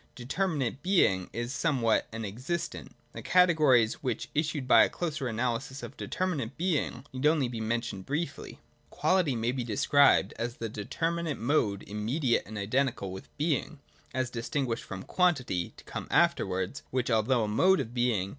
Determinate Being is a some what, an existent. — The categories, which issue by a closer analysis of Determinate Being, need only be mentioned briefly. [_Quality may be described as the determinate mode imme diate and identical wth Being!— as distinguished from Quan tity (to come afterwards), which, although a mode of Being, 90, 9" J QUALITY.